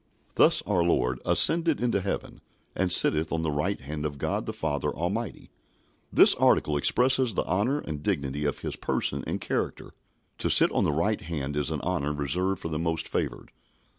Thus our Lord "ascended into heaven, and sitteth on the right hand of God the Father Almighty." This Article expresses the honour and dignity of His Person and character. To sit on the right hand is an honour reserved for the most favoured.